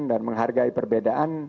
dan menghargai perbedaan